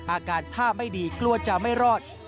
อาการท่าไม่ดีกลัวจะไม่รอด